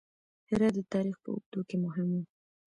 هرات د تاریخ په اوږدو کې مهم و